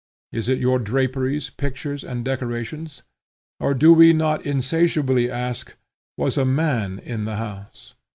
Is it your draperies, pictures, and decorations? Or do we not insatiably ask, Was a man in the house?